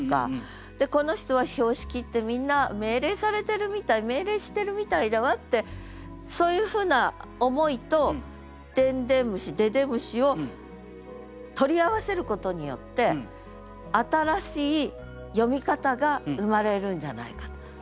この人は標識ってみんな命令されてるみたい命令してるみたいだわってそういうふうな思いとでんでんむし「でで虫」を取り合わせることによって新しい詠み方が生まれるんじゃないか。